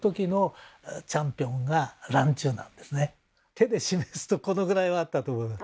手で示すとこのぐらいはあったと思います。